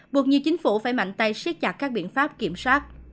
buộc như chính phủ phải mạnh tay siết chặt các biện pháp kiểm soát